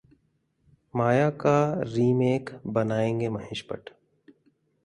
'माया' का रीमेक बनाएंगे महेश भट्ट